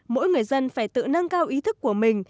mỗi người dân phải tự nâng cao ý thức của mình